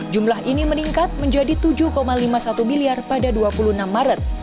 jumlah ini meningkat menjadi tujuh lima puluh satu miliar pada dua puluh enam maret